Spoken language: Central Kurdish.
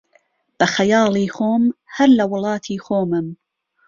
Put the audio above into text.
بە خەیاڵی خۆم، هەر لە وڵاتی خۆمم